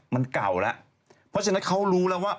มันเก่าแล้วเพราะฉะนั้นเขารู้แล้วว่า